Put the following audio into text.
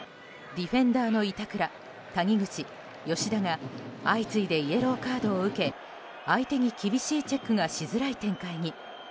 ディフェンダーの板倉、谷口、吉田が相次いでイエローカードを受け相手に厳しいチェックがしづらい展開に。